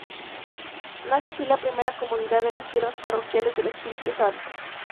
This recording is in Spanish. Nace así la primera comunidad de las Siervas Parroquiales del Espíritu Santo.